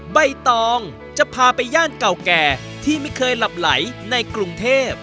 ใบตองจะพาไปย่านเก่าแก่ที่ไม่เคยหลับไหลในกรุงเทพ